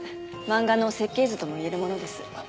漫画の設計図とも言えるものです。